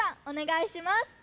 お願いします。